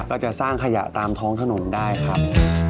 ก็จะสร้างขยะตามท้องถนนได้ครับ